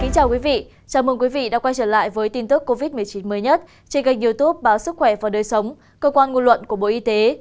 chào mừng quý vị đã quay trở lại với tin tức covid một mươi chín mới nhất trên kênh youtube báo sức khỏe và đời sống cơ quan ngôn luận của bộ y tế